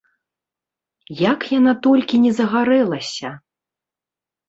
Як яна толькі не загарэлася?